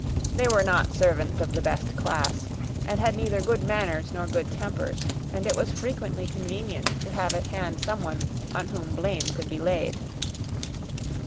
They were not servants of the best class, and had neither good manners nor good tempers, and it was frequently convenient to have at hand someone on whom blame could be laid.